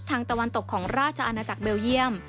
ตะวันตกของราชอาณาจักรเบลเยี่ยม